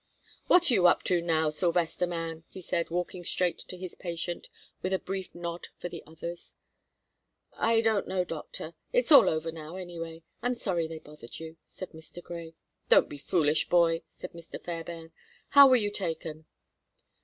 "What are you up to, now, Sylvester man?" he said, walking straight to his patient with a brief nod for the others. "I don't know, doctor; it's all over now, anyway; I'm sorry they bothered you," said Mr. Grey. "Don't be foolish, boy," said Dr. Fairbairn. "How were you taken?"